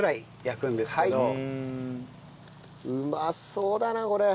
うまそうだなこれ。